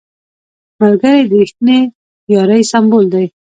ملګری د رښتینې یارۍ سمبول دی